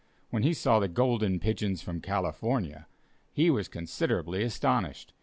When he saw the "Golden Pigeons from California," he was considerably astonished.